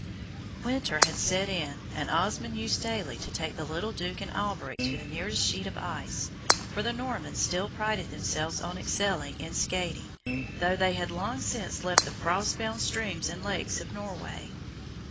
Winter had set in, and Osmond used daily to take the little Duke and Alberic to the nearest sheet of ice, for the Normans still prided themselves on excelling in skating, though they had long since left the frost bound streams and lakes of Norway.